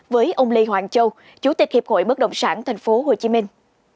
với ông lê hoàng châu chủ tịch hiệp hội bất động sản thành phố hồ chí minh